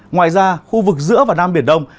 ngoài ra khu vực giữa và nam biển đông